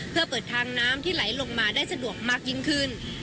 เพื่อเปิดทางน้ำที่ไหลลงมาได้สะดวกมากยิ่งขึ้น